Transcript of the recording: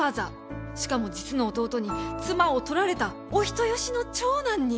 しかも実の弟に妻をとられたお人よしの長男に。